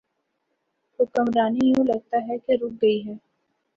حکمرانی یوں لگتا ہے کہ رک گئی ہے۔